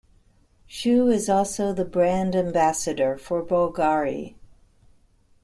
Shu is also the brand Ambassador for Bulgari.